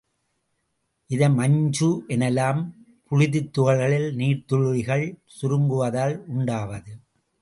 இதை மஞ்சு எனலாம். புழுதித்துகள்களில் நீர்த்துளிகள் சுருங்குவதால் உண்டாவது.